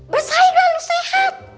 bersaing lah lu sehat